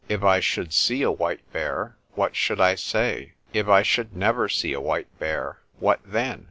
If I should see a white bear, what should I say? If I should never see a white bear, what then?